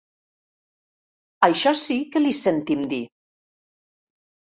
Això sí que l'hi sentim dir.